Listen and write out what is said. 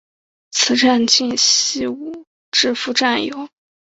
此站近西武秩父站有。